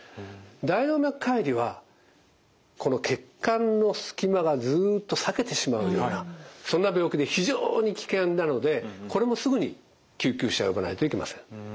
大動脈解離はこの血管の隙間がずっと裂けてしまうようなそんな病気で非常に危険なのでこれもすぐに救急車を呼ばないといけません。